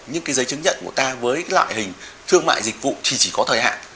nhưng cái giấy chứng nhận của ta với loại hình thương mại dịch vụ thì chỉ có thời hạn